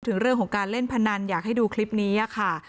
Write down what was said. ถึงเรื่องของการเล่นพนันอยากให้ดูคลิปนี้ค่ะ